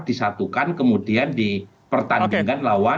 disatukan kemudian dipertandingkan lawan